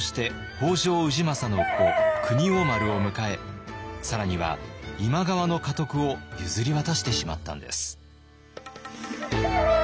北条氏政の子国王丸を迎え更には今川の家督を譲り渡してしまったんです。